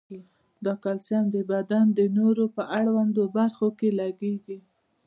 دا کلسیم د بدن په نورو اړوندو برخو کې لګیږي.